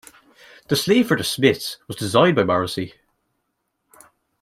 The sleeve for "The Smiths" was designed by Morrissey.